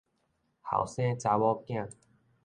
後生查某囝